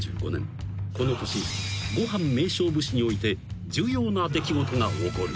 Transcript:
この年ごはん名勝負史において重要な出来事が起こる］